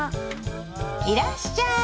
いらっしゃい。